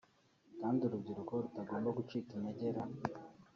kandi urubyiruko rutagomba gucika integer